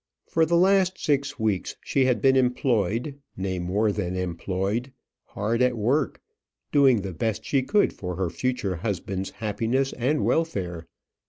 For the last six weeks she had been employed nay, more than employed hard at work doing the best she could for her future husband's happiness and welfare.